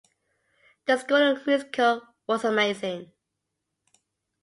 The school musical was amazing.